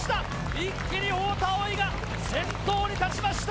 一気に太田蒼生が先頭に立ちました。